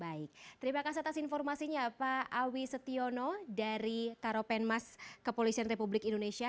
baik terima kasih atas informasinya pak awi setiono dari karopenmas kepolisian republik indonesia